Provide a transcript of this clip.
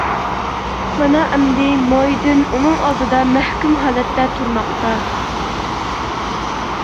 مانا ئەمدى مويىدىن ئۇنىڭ ئالدىدا مەھكۇم ھالەتتە تۇرماقتا.